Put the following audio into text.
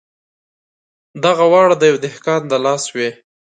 دغه واړه د یوه دهقان د لاس وې.